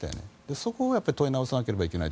そこを問い直さないといけない。